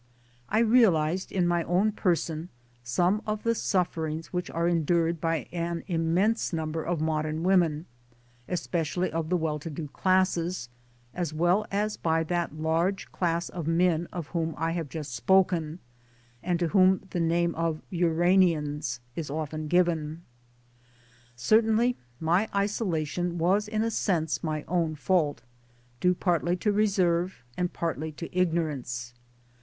I realized in my own person some of the sufferings which are endured by an immense number of modern women, especially of the well to do classes, as well as by that large class of men of whom I have just spoken, and to whom the name of Uranians is often given. Certainly my isolation was in a sense my own fault due partly to reserve and partly to ignorance.